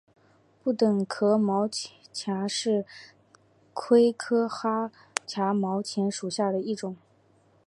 不等壳毛蚶是魁蛤目魁蛤科毛蚶属的一种。